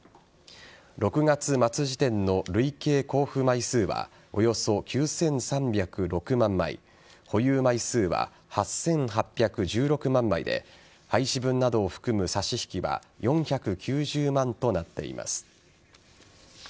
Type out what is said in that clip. ６月末時点の累計交付枚数はおよそ９３０６万枚保有枚数は８８１６万枚で廃止分などを含む差し引きは４９０万となっています。